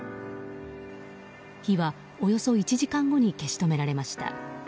火はおよそ１時間後に消し止められました。